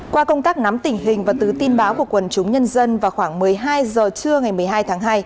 qua công tác nắm tình hình và từ tin báo của quần chúng nhân dân vào khoảng một mươi hai h trưa ngày một mươi hai tháng hai